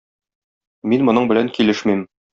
Мин моның белән килешмим.